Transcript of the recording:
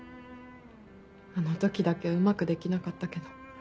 あの時だけうまくできなかったけど。